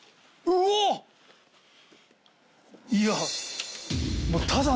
いや。